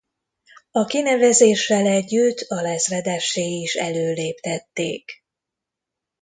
A kinevezéssel együtt alezredessé is előléptették.